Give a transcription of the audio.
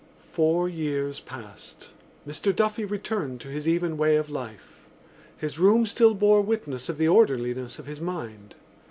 Four years passed. Mr Duffy returned to his even way of life. His room still bore witness of the orderliness of his mind.